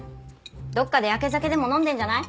どっかでやけ酒でも飲んでんじゃない？